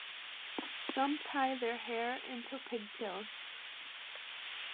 Some tie their hair into pigtails.